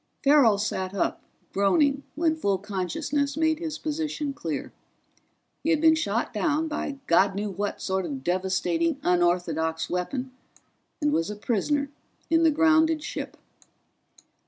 Farrell sat up, groaning, when full consciousness made his position clear. He had been shot down by God knew what sort of devastating unorthodox weapon and was a prisoner in the grounded ship.